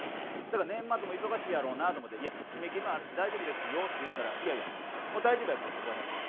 だから年末も忙しいやろうなと思って「いや締め切りもあるし大丈夫ですよ」って言ったら「いやいやもう大丈夫やからそこら辺は」